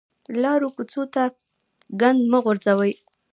لارو کوڅو ته ګند مه غورځوئ